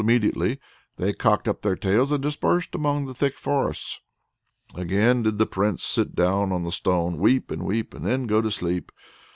Immediately they cocked up their tails and dispersed among the thick forests. Again did the Prince sit down on the stone, weep and weep, and then go to sleep.